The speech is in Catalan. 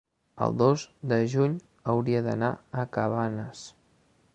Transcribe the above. el dos de juny hauria d'anar a Cabanes.